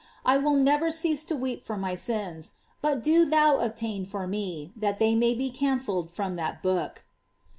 I will never cease to weep for my sins; but do thou obtain for me that they may be cancelled from that book."